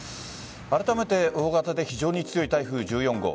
あらためて大型で非常に強い台風１４号。